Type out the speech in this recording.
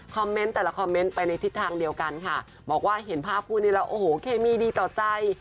เมนต์แต่ละคอมเมนต์ไปในทิศทางเดียวกันค่ะบอกว่าเห็นภาพคู่นี้แล้วโอ้โหเคมีดีต่อใจ